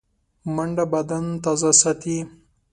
منډه بدن تازه ساتي